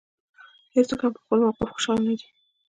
هېڅوک هم په خپل موقف خوشاله نه دی.